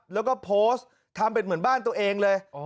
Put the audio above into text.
แล้วก็โพสต์ทำเป็นเหมือนบ้านตัวเองเลย